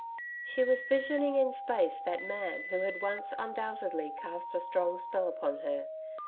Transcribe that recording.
She was visioning in space that man who had once undoubtedly cast a strong spell upon her.